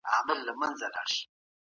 دفاع وزارت اقتصادي بندیزونه نه مني.